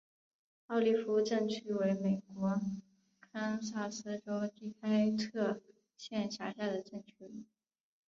奥利夫镇区为美国堪萨斯州第开特县辖下的镇区。